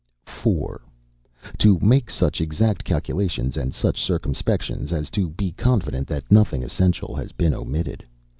"4. To make such exact calculations, and such circumspections as to be confident that nothing essential has been omitted.